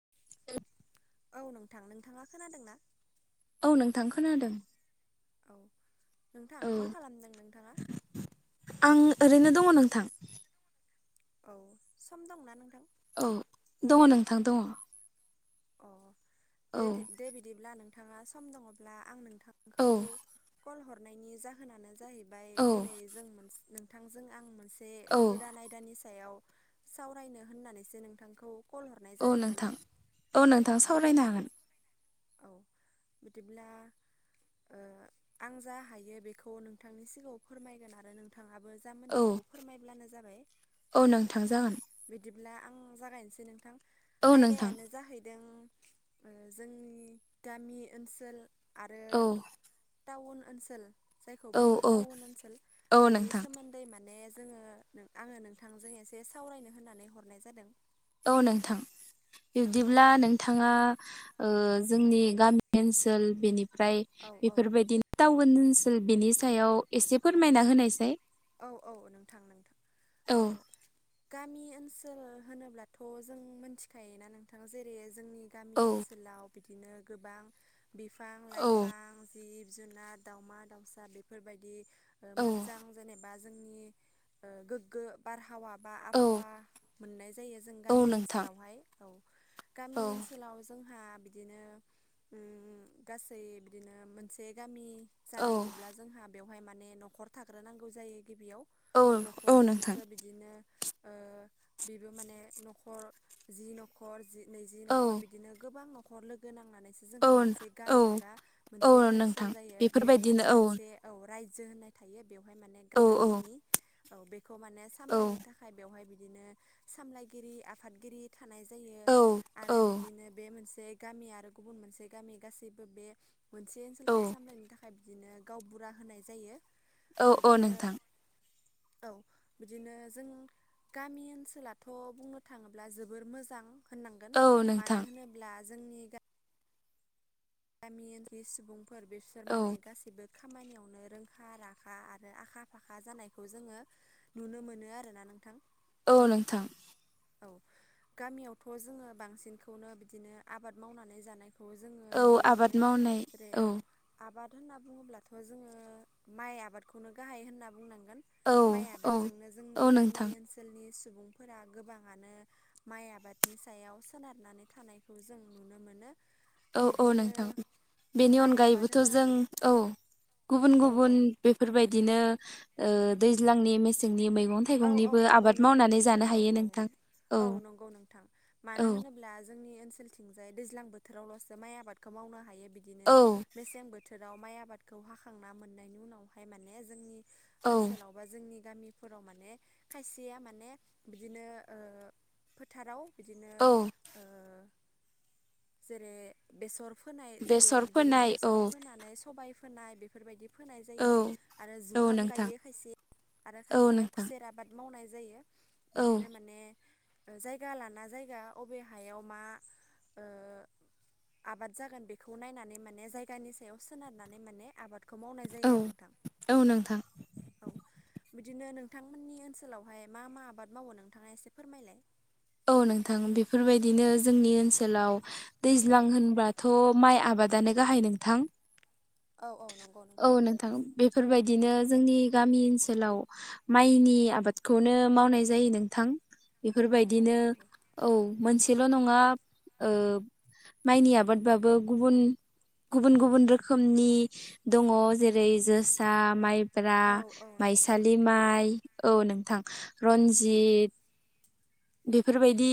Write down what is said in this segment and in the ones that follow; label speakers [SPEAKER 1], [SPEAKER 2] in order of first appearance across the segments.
[SPEAKER 1] [inaudible]
[SPEAKER 2] औ नोंथां, नोंथाङा खोनादों ना?
[SPEAKER 1] औ, नोंथां खोनादों।
[SPEAKER 2] औ नोंथां,
[SPEAKER 1] औ
[SPEAKER 2] मा खालामदों नोंथाङा?
[SPEAKER 1] आं ओरैनो दङ नोंथां।
[SPEAKER 2] औ, सम दंना नोंथां?
[SPEAKER 1] औ, दङ नोंथां दङ।
[SPEAKER 2] अ दे दे बिदिब्ला नोंथाङा सम दङब्ला आं नों
[SPEAKER 1] औ
[SPEAKER 2] थांखौ कल हरनायनि जाहोनानो जाहैबाय
[SPEAKER 1] औ
[SPEAKER 2] दिनै जों मोनसे नों थांजों आं मोनसे
[SPEAKER 1] औ
[SPEAKER 2] गोदान आयदानि सायाव सावरायनो होननानैसो नोंथांखौ कल हरनाय
[SPEAKER 1] औ
[SPEAKER 2] जादोंमोन।
[SPEAKER 1] नोंथां औ, नोंथाङा सावरायनो हागोन।
[SPEAKER 2] औ बिदिब्ला ओ आं जा हायो बेखौ नोंथांनि सिगाङाव फोरमायगोन आरो नोंथाङाबो जा
[SPEAKER 1] औ
[SPEAKER 2] मोनथिगौ फोरमायब्लानो जाबाय।
[SPEAKER 1] औ नोंथां जागोन
[SPEAKER 2] बिदिब्ला आं जागायनोसै नोंथां
[SPEAKER 1] औ नोंथां
[SPEAKER 2] आयदायानो जाहैदों ओ जोंनि गामि ओनसोल आरो
[SPEAKER 1] औ
[SPEAKER 2] टाउन ओनसोल जायखौ
[SPEAKER 1] औ
[SPEAKER 2] बुङो
[SPEAKER 1] औ
[SPEAKER 2] टाउन ओनसोल
[SPEAKER 1] औ
[SPEAKER 2] बेनि
[SPEAKER 1] नोंथां
[SPEAKER 2] सोमोन्दै मा ने जोङो आङो नोंथांजों एसे सावरायनो होननानै हरनाय जादों।
[SPEAKER 1] औ नोंथां
[SPEAKER 2] औ
[SPEAKER 1] बिबदिब्ला नोंथाङा ओ जोंनि गामि ओनसोल बेनिफ्राय
[SPEAKER 2] औ औ
[SPEAKER 1] बेफोरबायदिनो टाउन ओन सोल बिनि सायाव एसे फोरमायना होनायसाय।
[SPEAKER 2] औ औ नोंथां, नोंथां
[SPEAKER 1] औ
[SPEAKER 2] ओ गामि ओनसोल होनोब्लाथ' जों मिनथिखायोना नोंथां जेरै- जोंनि गामि
[SPEAKER 1] औ
[SPEAKER 2] ओनसोलाव बिदिनो गोबां
[SPEAKER 1] औ
[SPEAKER 2] बिफां-लाइफां, जिब जुनार, दावउमा-दाउसा बेफोरबायदि ओ
[SPEAKER 1] औ
[SPEAKER 2] मोजां बा जोंनि ओ गोग्गो बारहावा बा
[SPEAKER 1] औ
[SPEAKER 2] आबहावा मोननाय जायो जों
[SPEAKER 1] औ
[SPEAKER 2] गामि
[SPEAKER 1] नोंथां
[SPEAKER 2] ओनसोलावहाय। औ‌ गामि
[SPEAKER 1] औ
[SPEAKER 2] ओनसोलाव जोंहा बिदिनो उम गासै बिदिनो मोनसे गामि
[SPEAKER 1] औ
[SPEAKER 2] जानांगौब्ला जोंहा बेवहाय माने न'खर थाग्रोनांगौ जायो। गिबियाव।
[SPEAKER 1] औ औ नोंथां
[SPEAKER 2] न'खरजोंसो बिदिनो ओ बेबो माने न'खर जि न'खर जि नैजि
[SPEAKER 1] औ
[SPEAKER 2] न'खर बिदिनो गोबां न'खर लोगो ना नानैसो
[SPEAKER 1] औ
[SPEAKER 2] जोंहा मोनसे
[SPEAKER 1] औ
[SPEAKER 2] गामि बा
[SPEAKER 1] औ
[SPEAKER 2] मोनसे ओनसोल
[SPEAKER 1] नोंथां
[SPEAKER 2] जायो बेयाव
[SPEAKER 1] बेफोरबायदिनो
[SPEAKER 2] माने
[SPEAKER 1] औ
[SPEAKER 2] मोनसे औ राय जो होन्नाय थायो बेवहाय माने
[SPEAKER 1] औ औ
[SPEAKER 2] गामिनि औ बेखौ माने
[SPEAKER 1] औ
[SPEAKER 2] सामलायनो थाखाय बेवहाय बि दिनो सामलायगिरि, आफादगिरि थानाय जायो
[SPEAKER 1] औ औ
[SPEAKER 2] आरो बिदिनो बे मोन से गामि आरो गुबुन मोनसे गामि गासैबो बे मोनसे
[SPEAKER 1] औ
[SPEAKER 2] ओनसोलखौ सामलायनो थाखाय बिदिनो गावबुरा होनाय जायो।
[SPEAKER 1] औ औ
[SPEAKER 2] बिदिनो
[SPEAKER 1] नोंथां।
[SPEAKER 2] औ बिदिनो जों गामि ओनसोलाथ' बुंनो थाङोब्ला जोबोर मोजां होननांगोन।
[SPEAKER 1] औ
[SPEAKER 2] मानो
[SPEAKER 1] नोंथां
[SPEAKER 2] होनोब्ला जोंनि गा मि ओनसोलनि सुबुंफोर बिसोर
[SPEAKER 1] औ
[SPEAKER 2] माने गासिबो खामानियावनो रोंखा-राखा आरो आखा-फाखा जानायखौ जोङो नुनो मोनो आरोना नोंथां।
[SPEAKER 1] औ नोंथां।
[SPEAKER 2] औ गामियावथ' जोङो बांसिनखौनो बिदिनो आबाद मावनानै जानाय खौ जोङो
[SPEAKER 1] औ
[SPEAKER 2] नुनो
[SPEAKER 1] आबाद
[SPEAKER 2] मोनो।
[SPEAKER 1] मावनाय
[SPEAKER 2] जेरै औ आबाद होनना बुङोब्लाथ' जोङो माइ आबादखौनो गाहाय होनना बुंनां गोन।
[SPEAKER 1] औ
[SPEAKER 2] माइ
[SPEAKER 1] औ
[SPEAKER 2] आबादजोंनो जोंनि
[SPEAKER 1] औ
[SPEAKER 2] गामि
[SPEAKER 1] नोंथां
[SPEAKER 2] ओनसोलनि सुबुंफोरा गोबां आनो माइ आबादनि सायाव सोनारनानै थानायखौ जों नुनो मोनो।
[SPEAKER 1] औ औ
[SPEAKER 2] बिदिनो
[SPEAKER 1] नोंथां बेनि
[SPEAKER 2] माइ आबाद
[SPEAKER 1] अनगायैबोथ'
[SPEAKER 2] होनना
[SPEAKER 1] जों औ। गुबुन
[SPEAKER 2] औ औ
[SPEAKER 1] गुबुन बेफोरबायदिनो ओ दैज्लांनि मेसेंनि मैगं
[SPEAKER 2] औ औ
[SPEAKER 1] थाइगंनिबो
[SPEAKER 2] नंगौ
[SPEAKER 1] आबाद
[SPEAKER 2] नोंथां
[SPEAKER 1] मावनानै
[SPEAKER 2] नंगौ
[SPEAKER 1] जानो
[SPEAKER 2] औ
[SPEAKER 1] हायो
[SPEAKER 2] औ
[SPEAKER 1] नोंथां।
[SPEAKER 2] औ नंगौ नोंथां
[SPEAKER 1] औ
[SPEAKER 2] मानो होनोब्ला जोंनि जोंनि थिंजाय दैजां बोथोरावल'सो माइ आबादखौ मावनो हायो बिदिनो
[SPEAKER 1] औ
[SPEAKER 2] मसें बोथोर उ माइ आबादखौ हाखांना मोननायनि उनावहाय माने जोंनि
[SPEAKER 1] औ
[SPEAKER 2] ओनसोलाव बा जोंनि गामिफोराव माने खायसेया माने बिदिनो ओ फोथाराव बिदिनो
[SPEAKER 1] औ
[SPEAKER 2] ओ जेरै बेसर फोनाय जायो
[SPEAKER 1] बेसर
[SPEAKER 2] बिदिनो
[SPEAKER 1] फोनाय औ
[SPEAKER 2] बेसर फोनानै सबाय फोनाय बेफोरबायदि फोनाय
[SPEAKER 1] औ
[SPEAKER 2] जायो आरो
[SPEAKER 1] औ
[SPEAKER 2] जुखाम
[SPEAKER 1] नोंथां
[SPEAKER 2] गायो खायसे आरो
[SPEAKER 1] औ
[SPEAKER 2] खायसेया
[SPEAKER 1] नोंथां
[SPEAKER 2] खुसेर आबाद मावनाय जायो
[SPEAKER 1] औ
[SPEAKER 2] बिदिनो माने जायगा लाना जायगा अबे हायाव मा ओ आबाद जागोन बेखौ नायनानै माने जायगानि सायाव सोनारनानै माने आबाद खौ मावनाय जायो
[SPEAKER 1] औ
[SPEAKER 2] आरो नोंथां
[SPEAKER 1] औ नोंथां
[SPEAKER 2] औ बिदिनो नों नोंथांमोननि ओनसोलावहाय मा मा आबाद मावो नोंथाङा एसे फोरमायलाय।
[SPEAKER 1] औ नोंथां बेफोरबायदिनो जोंनि ओनसोलाव दैज्लां होनबाथ' माइ आबाद। नो गाहाय नोंथां
[SPEAKER 2] औ औ नंगौ
[SPEAKER 1] औ नोंथां बेफोरबायदिनो। जोंनि गामि ओनसोलाव माइनि आबादखौनो मावनाय जायो नोंथां।
[SPEAKER 2] औ
[SPEAKER 1] बेफोरबाय
[SPEAKER 2] औ नंगौ
[SPEAKER 1] एसेल' नङा ओ माइनि आबादबाबो गुबुन गुबुन गुबुन रोखोमनि दङ जेरै जोसा माइ ब्रा
[SPEAKER 2] औ औ नंगौ
[SPEAKER 1] माइसालि
[SPEAKER 2] नोंथां
[SPEAKER 1] माइ औ नों। थां रनजित। बेफोरबायदि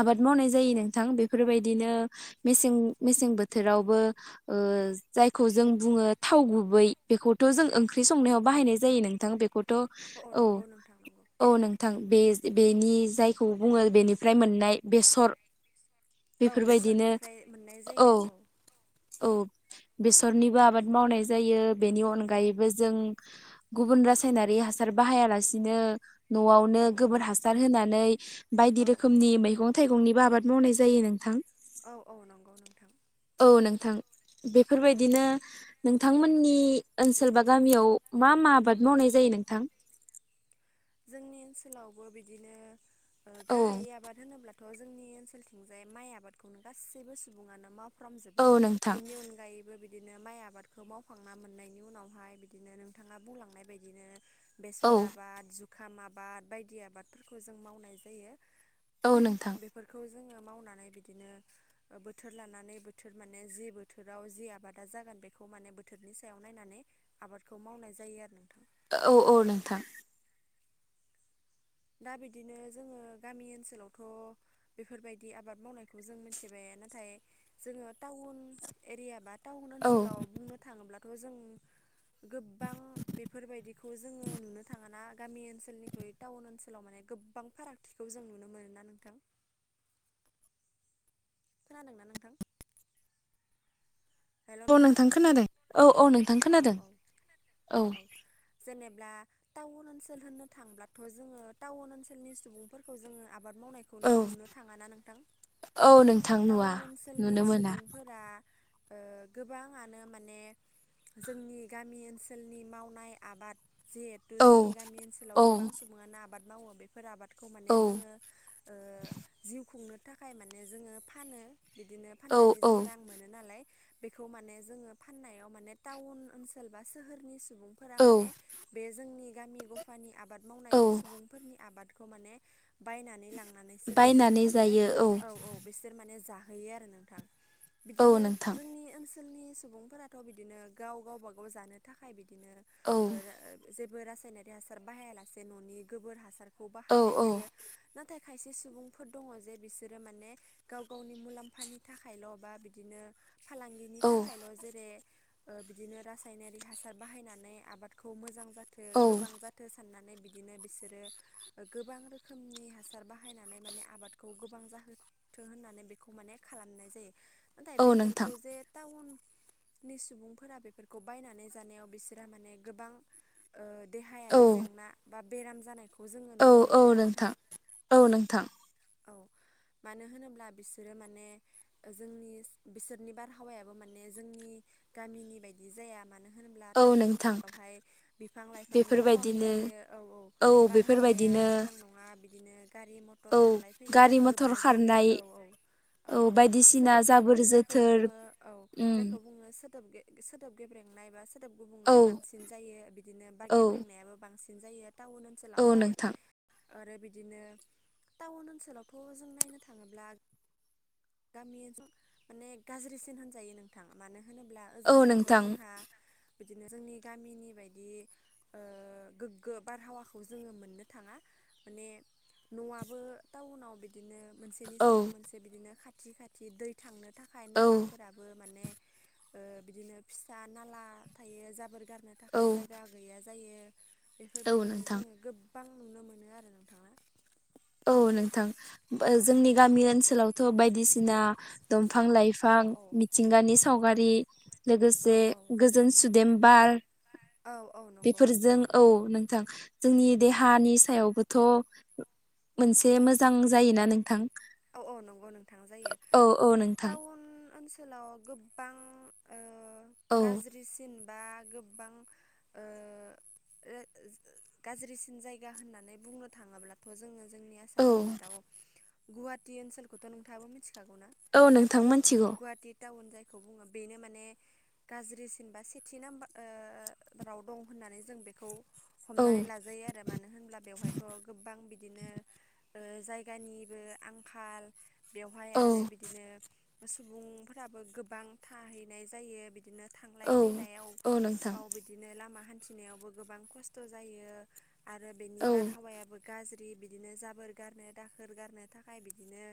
[SPEAKER 1] आबाद मावनाय जायो नोंथां बेफोरबायदिनो मेसें मेसें बोथोर। रावबो ओ जायखौ जों बुङो थाव गुबै बेखौथ' जोंं ओंख्रि संनायाव बाहायनाय जायो नोंथां बेखौथ' औ
[SPEAKER 2] नंगौ नोंथां नंगौ
[SPEAKER 1] औ नोंथां बे बेनि जायखौ बुङो बेनिफ्राय मोननाय बेसर।
[SPEAKER 2] औ
[SPEAKER 1] बेफोरबायदिनो
[SPEAKER 2] बेसरनिफ्राय मोननाय
[SPEAKER 1] औ
[SPEAKER 2] जायो
[SPEAKER 1] औ। बेसरनिबो आबाद मावनाय जायो बेनि अनगायैबो जों गुबुन रासायनारि हासार बाहायालासिनो न'आवनो
[SPEAKER 2] औ औ
[SPEAKER 1] गोबोर हासार होनानै बायदि
[SPEAKER 2] औ
[SPEAKER 1] रोखोमनि मैगं थाइगंनिबो आबाद मावनाय जायो नोंथां।
[SPEAKER 2] औ औ नंगौ नोंथां।
[SPEAKER 1] थां। बेफोरबायदिनो नोंथांमोननि ओनसोल बा गामियाव मा मा आबाद मावनाय जायो? नोंथां?
[SPEAKER 2] जोंनि ओनसोलावबो बिदिनो ओ
[SPEAKER 1] औ
[SPEAKER 2] गाहायै आबाद होनोब्ला थ' जोंनि ओनसोलथिंजाय माइ आबादखौनो गासैबो सुबुङानो मावो। खालामजोबो
[SPEAKER 1] औ नोंथां
[SPEAKER 2] बिनि अनगायैबो बि बिदिनो माइ आबादखौ मावखांना मोननायनि उनावहाय बिदिनो नोंथाङा बुंलांनाय बायदिनो
[SPEAKER 1] औ
[SPEAKER 2] बेसर आबाद जुखाम आबाद बायदि आबादफोरखौ जों मावनाय जायो।
[SPEAKER 1] औ नोंथां।
[SPEAKER 2] बेफोरखौ जोङो मावनानै बिदिनो बोथोर लानानै बोथोर माने जि बोथोराव जि आबादा जागोन बेखौ माने बोथोरनि सायाव नायनानै आबादखौ मावनाय जायो आरो नोंथां।
[SPEAKER 1] औ औ नोंथां।
[SPEAKER 2] दा बिदिनो जोङो गामि ओनसोलावथ' बेफोरबायदि आबाद मावनायखौ जों मिथिबाय नाथाय जोङो टाउन एरिया बा टाउन
[SPEAKER 1] औ
[SPEAKER 2] ओनसोलाव बुंनो थाङोब्ला खौ जों गोबां बेफोरबायदिखौ जोङो नुनो थाङाना गामि ओनसोलनिख्रुइ टाउन ओनसोल लाव माने गोबां फारागथिखौ जों नुनो मोन ना नोंथां? खोनादोंना नोंथां?
[SPEAKER 1] औ नोंथां खोनादों औ-औ नोंथां
[SPEAKER 2] औ
[SPEAKER 1] खोनादों
[SPEAKER 2] औ
[SPEAKER 1] औ।
[SPEAKER 2] जेनेब्ला टाउन ओनसोल होननो थांब्लाथ' जोङो टाउन ओनसोलनि सुबुंफोरखौ जोङो आबाद आबाद मावनायखौनो नुनो थाङा ना नोंथां?
[SPEAKER 1] औ नोंथां नुवा
[SPEAKER 2] टाउन ओनसोलनि
[SPEAKER 1] नुनो मोना
[SPEAKER 2] सुबुंफोरा ओ गोबाङानो माने जोंनि गामि ओनसोलनि मावनाय आबाद जिहेथु
[SPEAKER 1] औ
[SPEAKER 2] जोंनि गामि ओनसोलाव
[SPEAKER 1] औ
[SPEAKER 2] गोबां सुबुङानो आबाद मावो बेफोर आबाद खौ माने
[SPEAKER 1] औ
[SPEAKER 2] जोङो ओ जिउ खुंनो थाखाय माने जोङो फानो। बिदिनो
[SPEAKER 1] औ
[SPEAKER 2] फाननानै
[SPEAKER 1] औ
[SPEAKER 2] जों रां मोनो नालाय बेखौ माने जोङो फाननायाव माने टाउन ओनसोल बा सोहोरनि सुबुंफोरा
[SPEAKER 1] औ
[SPEAKER 2] माने बे जोंनि गामि गफानि आबाद आबाद मावनाय
[SPEAKER 1] औ
[SPEAKER 2] सुबुंफोरनि आबादखौ माने बायनानै लांनानैसो बिसोरो
[SPEAKER 1] बायनानै
[SPEAKER 2] माने
[SPEAKER 1] जायो औ
[SPEAKER 2] औ-औ बिसोर माने जाहोयो आरो नोंथां।
[SPEAKER 1] औ
[SPEAKER 2] बिदिनो
[SPEAKER 1] नोंथां
[SPEAKER 2] जोंनि ओनसोलनि सुबुंफोराथ' बिदिनो गाव-गावबा गाव जानो थाखाय बिदि बिदिनो
[SPEAKER 1] औ
[SPEAKER 2] ओ जेबो रासायनारि हासार बाहायालासे न'नि गोबोर हासार खौ
[SPEAKER 1] औ
[SPEAKER 2] बाहायनाय
[SPEAKER 1] औ
[SPEAKER 2] जायो नाथाय खायसे सुबुंफोर दङ जे बिसोरो माने गाव-गावनि मुलाम्फानि थाखायल' बा बिदिनो फालांगिनि
[SPEAKER 1] औ
[SPEAKER 2] थाखायल' जेरै ओ बिदिनो रासायनारि हासार बाहायनानै आबादखौ मोजां जाथों
[SPEAKER 1] औ
[SPEAKER 2] गोबां जाथों साननानै बिदिनो बिसोरो गोबां रोखोमनि हासार बाहायनानै माने आबादखौ गोबां जाहो थों होननानै बेखौ माने खालामनाय जायो। नाथाय
[SPEAKER 1] औ नोंथां
[SPEAKER 2] बेफोरखौ जे टाउननि सुबुं फोरा बेफोरखौ बायनानै जानायाव बिसोरहा माने गोबां देहायारि जेंना बा बेराम जानायखौ जोङो नुनो
[SPEAKER 1] औ-औ
[SPEAKER 2] मोनोना
[SPEAKER 1] नोंथां औ नोंथां।
[SPEAKER 2] [inaudible] मानो होनोब्ला बिसोरो माने जोंनि बिसोरनि बारहावायाबो माने जोंनि गामिनि बायदि जाया मानो होनब्ला
[SPEAKER 1] औ
[SPEAKER 2] टाउन
[SPEAKER 1] नोंथां
[SPEAKER 2] ओनसोलावहाय बिफां लाइफांनि खम
[SPEAKER 1] बेफोरबायदिनो
[SPEAKER 2] जायो औ-औ
[SPEAKER 1] औ
[SPEAKER 2] बारहावाया
[SPEAKER 1] बेफोरबायदिनो
[SPEAKER 2] मोजां नङा बि गारि मथर
[SPEAKER 1] औ
[SPEAKER 2] थांलाय फैलाया
[SPEAKER 1] गारि मथर
[SPEAKER 2] गोबां जायो
[SPEAKER 1] खारनाय
[SPEAKER 2] औ-औ
[SPEAKER 1] औ
[SPEAKER 2] औ-औ
[SPEAKER 1] बायदिसिना
[SPEAKER 2] सोदोब औ
[SPEAKER 1] जाबोर
[SPEAKER 2] जायखौ
[SPEAKER 1] जोथोर
[SPEAKER 2] बुङो औ
[SPEAKER 1] उम
[SPEAKER 2] जायखौ बुङो सो सोदोब गे सोदोब गेब्रेंनाय बा सोदोब
[SPEAKER 1] औ
[SPEAKER 2] गुबुंनाया बांसिन जायो बिदिनो बा
[SPEAKER 1] औ
[SPEAKER 2] गेब्रेंनायाबो बांसिन सिनजायो टाउन
[SPEAKER 1] औ
[SPEAKER 2] ओनसोलावहाय।
[SPEAKER 1] नोंथां
[SPEAKER 2] आरो बिदिनो टाउन ओनसोलावथ' जों नायनो थाङोब्ला गामिओनसो माने गाज्रिसिन होनजायो नोंथाङा मानो मानो होनोब्ला
[SPEAKER 1] औ
[SPEAKER 2] ओजोंहायथ'
[SPEAKER 1] नोंथां
[SPEAKER 2] जोंहा बिदिनो जोंनि गामिनि बायदि ओ गोग्गो बारहावाखौ जोङो मोननो थाङा। माने न'आबो टाउनाव बिदि बिदिनो मोनसेनि
[SPEAKER 1] औ
[SPEAKER 2] सायाव मोनसे बिदिनो खाथि-खाथि दै थांनो थाखाय
[SPEAKER 1] औ
[SPEAKER 2] नालाफोराबो माने ओ बिदिनो फिसा नाला थायो जाबोर गारनो
[SPEAKER 1] औ
[SPEAKER 2] थाखाय जायगा गैया जायो।
[SPEAKER 1] औ
[SPEAKER 2] बेफोरबायदिनो
[SPEAKER 1] नोंथां
[SPEAKER 2] जोङो गोबां नुनो मोनो आरो नोंथांङा।
[SPEAKER 1] औ नोंथां जोंनि गामि ओनसोलाव थ' बायदिसिना दंफां
[SPEAKER 2] औ
[SPEAKER 1] लाइफां
[SPEAKER 2] औ
[SPEAKER 1] मिथिंगानि सावगारि
[SPEAKER 2] औ
[SPEAKER 1] लोगोसे
[SPEAKER 2] औ
[SPEAKER 1] गोजोन सुदेमबार
[SPEAKER 2] औ औ नंगौ
[SPEAKER 1] बेफोरजों
[SPEAKER 2] नोंथां
[SPEAKER 1] औ नोंथां। जोंनि देहानि सायावबोथ' मोनसे मोजां जायोना नोंथां।
[SPEAKER 2] औ-औ नंगौ नोंथां जायो
[SPEAKER 1] औ नोंथां
[SPEAKER 2] टाउन ओनसोल ओनसोलाव गोबां ओ
[SPEAKER 1] औ
[SPEAKER 2] गाज्रिसिन बा गोबां ओ ओ गाज्रिसिन जायगा होननानै बुंनो थाङोब्लाथ' जोङो जों
[SPEAKER 1] औ
[SPEAKER 2] आसामनि मदाव गुहाति ओनसोलखौथ' नोंथाङाबो मिल
[SPEAKER 1] औ नोंथां मोनथिगौ
[SPEAKER 2] औ जायखौ बुङो बेनो माने गाज्रिसिन बा सेथि नाम्बाराव दं -नानै जों बेखौ
[SPEAKER 1] औ
[SPEAKER 2] हमनानै लाजायो आरो मानो होनब्ला बेवहायथ' गोबां बिदिनो ओ जायगानिबो आंखाल बेवहाय
[SPEAKER 1] औ
[SPEAKER 2] आरो बिदिनो सुबुंफोराबो गोबां थाहैनाय जायो बिदिनो थांलाय
[SPEAKER 1] औ औ नोंथां
[SPEAKER 2] फैलायाव बिदिनो लामा हान्थिनायावबो गोबां खस्थ' जायो आरो बेनि
[SPEAKER 1] औ
[SPEAKER 2] बारहावायाबो गाज्रि बिदिनो जाबोर गारनो दाखोर गारनो थाखाय बिदिनो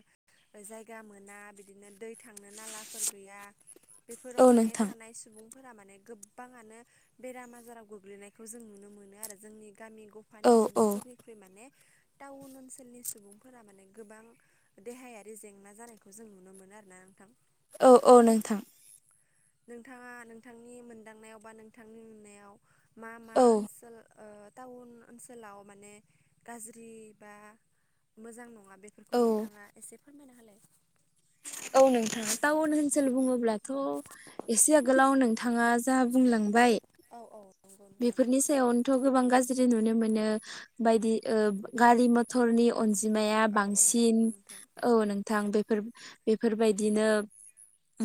[SPEAKER 2] जायगा मोना बिदिनो दै थांनो नालाफोर गैया बेफोराव
[SPEAKER 1] औ
[SPEAKER 2] माने
[SPEAKER 1] नोंथां
[SPEAKER 2] थानाय सुबुं -फोरा माने गोबाङानो बेराम आजाराव गोग्लैनायखौ जों नुनो मोनो आरो जोंनि गामि
[SPEAKER 1] औ
[SPEAKER 2] गफानि
[SPEAKER 1] औ
[SPEAKER 2] सुबुंफोरनिख्रुइ माने टाउन ओनसोलनि सुबुंफोरा माने गोबां देहायारि जेंना जानायखौ जों नुनो मोनो आरोना नोंथां
[SPEAKER 1] औ औ नोंथां
[SPEAKER 2] नोंथाङा नोंथांनि मोनदांनायाव बा नोंथांनि नुनायाव मा मा
[SPEAKER 1] औ
[SPEAKER 2] ओनसोल ओ टाउन ओनसोलाव माने गाज्रि बा मोजां नङा? बेखौ
[SPEAKER 1] औ
[SPEAKER 2] नोंथाङा एसे फोरमायना होलाय
[SPEAKER 1] औ नोंथां टाउन ओनसोल बुङोब्लाथ' एसे आगोलाव नोंथाङा जा बुंलांबाय
[SPEAKER 2] औ औ नंगौ नोंथां
[SPEAKER 1] बेफोरनि सायावनोथ' गोबां गा -ज्रि नुनो मोनो बायदि गारि मथरनि अनजि -माया
[SPEAKER 2] औ औ
[SPEAKER 1] बांसिन
[SPEAKER 2] नंगौ नोंथां
[SPEAKER 1] औ नोंथां बेफोर बेफोरबायदिनो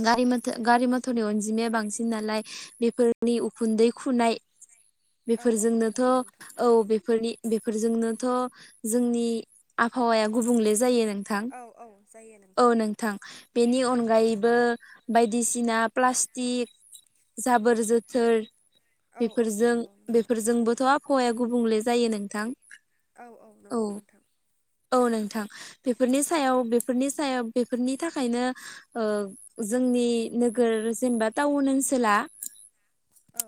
[SPEAKER 1] गारि मथर गारि मथरनि अनजिमाया बांसिन नालाय बेफोरनि उखुन्दै खुनाय
[SPEAKER 2] औ औ
[SPEAKER 1] बेफोरजोंनोथ'
[SPEAKER 2] नंगौ नोंथां
[SPEAKER 1] औ बेफोरनि बेफोरजोंनोथ' जोंनि आबहावाया गुबुंले जायो नोंथां
[SPEAKER 2] औ औ जायो
[SPEAKER 1] औ नोंथां बेनि अनगायैबो बायदिसिना प्लास्टिक जाबोर जोथोर
[SPEAKER 2] औ औ
[SPEAKER 1] बेफोरजों
[SPEAKER 2] नंगौ नोंथां
[SPEAKER 1] बेफोरजोंबोथ' आबहावाया गुबुंले जायो नोंथां
[SPEAKER 2] औ औ नंगौ नोंथां
[SPEAKER 1] औ नोंथां बेफोरनि सायाव बेफोरनि सायाव बेफोरनि थाखायनो ओ जों जोंनि नोगोर जेनेबा टाउन ओनसोला
[SPEAKER 2] औ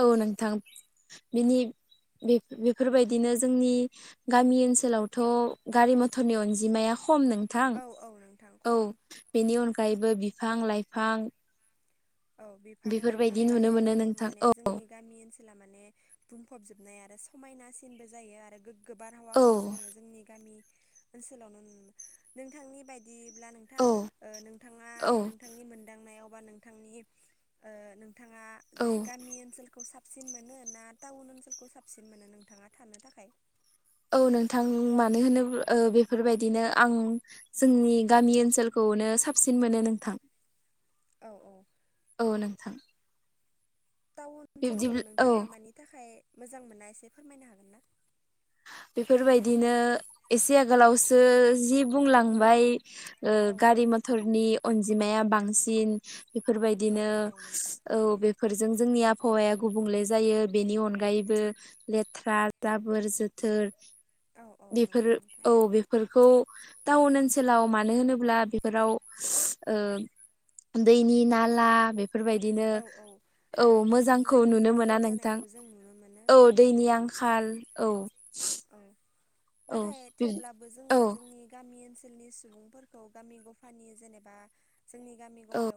[SPEAKER 1] औ नोंथां बिनि बेफोरबायदिनो जोंनि गामि ओनसोलावथ' गारि मथरनि अनजिमाया खम नोंथां
[SPEAKER 2] औ औ नोंथां
[SPEAKER 1] औ
[SPEAKER 2] खम
[SPEAKER 1] बेनि अनगायैबो बिफां लाइफां
[SPEAKER 2] औ बिफां लाइफां
[SPEAKER 1] बेफोरबायदि नुनो मोनो
[SPEAKER 2] गासैजोंबो
[SPEAKER 1] नोंथां औ
[SPEAKER 2] माने जोंनि गामि ओनसोल -ला माने बुंफबजोबनाय आरो समायनासिनबो जायो आरो गो गोबार
[SPEAKER 1] औ
[SPEAKER 2] हावाखौ जोङो जोंनि गामि ओनसोलाव नुनो मोनो नोंथांनि बायदि बायदिब्ला नोंथां
[SPEAKER 1] औ
[SPEAKER 2] नोंथाङा
[SPEAKER 1] औ
[SPEAKER 2] नोंथांनि मोनदांनायाव बा नोंथांनि ओ नोंथाङा
[SPEAKER 1] औ
[SPEAKER 2] जे गामि ओनसोलखौ साफ -सिन मोनो ना टाउन ओनसोलखौ साबसिन मोनो नोंथाङा थानो थाखाय
[SPEAKER 1] औ नोंथां मानो होनोब बेफोरबायदिनो आं जोंनि गामि ओनसोलखौ -खौनो साबसिन मोनो नोंथां
[SPEAKER 2] [inaudible] औ
[SPEAKER 1] औ नोंथां
[SPEAKER 2] टाउन
[SPEAKER 1] बिब्दि
[SPEAKER 2] ओनसोलखौ
[SPEAKER 1] औ
[SPEAKER 2] नोंथाङा मानि थाखाय मोजां मोना एसे फोरमायनो हागोन ना?
[SPEAKER 1] बेफोरबायदिनो एसे आगोलावसो जि बुंलांबाय ओ
[SPEAKER 2] औ औ
[SPEAKER 1] गारि मथरनि अनजिमाया बांसिन
[SPEAKER 2] औ
[SPEAKER 1] बेफोरबायदिनो
[SPEAKER 2] औ नोंथां
[SPEAKER 1] औ बेफोरजों जोंनि आबहावाया गुबुंले जायो बेनि अनगायैबो लेथ्रा जाबोर जो थोर
[SPEAKER 2] औ औ नंगौ
[SPEAKER 1] बेफोरो
[SPEAKER 2] नोंथां
[SPEAKER 1] औ बेफोरखौ टाउन ओनसोलाव मानो होनोब्ला बेफोराव ओ दैनि नाला बेफोर
[SPEAKER 2] औ औ आरो गोबां
[SPEAKER 1] मोजांखौ
[SPEAKER 2] दैनि
[SPEAKER 1] नुनो मोना
[SPEAKER 2] आंखाल जानायखौ जों नुनो मोनो औ औ
[SPEAKER 1] खाल औ
[SPEAKER 2] औ
[SPEAKER 1] औ
[SPEAKER 2] नाथाय थेवब्लाबो जोङो
[SPEAKER 1] औ
[SPEAKER 2] जोंनि गामि ओनसोलनि सुबुंफोरखौ गामि गफानि जेनेबा जोंनि गामि
[SPEAKER 1] औ
[SPEAKER 2] गफायाव